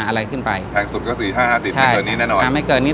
อะไรขึ้นไปแพงสุดก็สี่ห้าห้าสิบไม่เกินนี้แน่นอนอ่าไม่เกินนี้